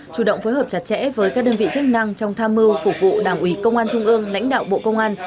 chủ động phối hợp chặt chẽ với các đơn vị chức năng trong tham mưu phục vụ đảng ủy công an trung ương lãnh đạo bộ công an